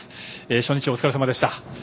初日お疲れさまでした。